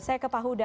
saya ke pak huda